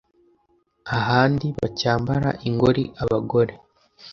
ahandi, bacyambara ingori abagore,